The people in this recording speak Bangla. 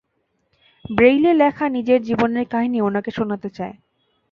ব্রেইলে লেখা নিজের জীবনের কাহিনী ওনাকে শোনাতে চায়।